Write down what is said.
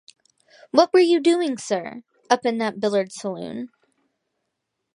What were you doing, sir, up in that billiard saloon?